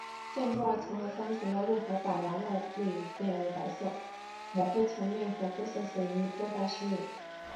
建筑二层和三层的露台栏板的外立面为白色抹灰墙面和灰色水泥疙瘩饰面。